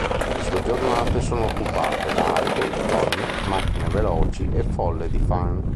Le sue giornate sono occupate da alcool, donne, macchine veloci e folle di fan.